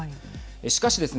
しかしですね